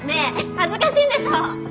恥ずかしいんでしょ？